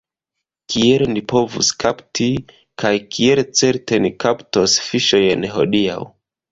Kiel ni povus kapti, kaj kiel certe ni kaptos fiŝojn hodiaŭ?